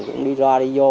cũng đi ra đi vô